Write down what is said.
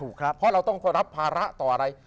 ครับเพราะเราต้องรับภาระต่ออะไร